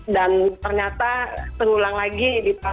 dan ternyata terulang lagi ini tahu